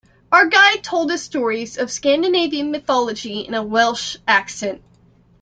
Our guide told us stories of Scandinavian mythology in a Welsh accent.